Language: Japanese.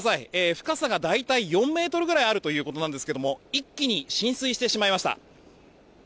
深さが大体４ｍぐらいあるということですが一気に浸水してしまいました。